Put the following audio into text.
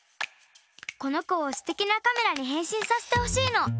このこをすてきなカメラにへんしんさせてほしいの。